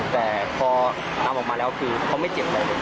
แต่พอนำออกมาแล้วคือเขาไม่เจ็บเลย